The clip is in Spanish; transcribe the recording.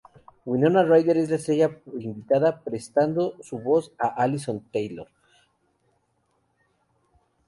Winona Ryder es la estrella invitada, prestando su voz a Allison Taylor.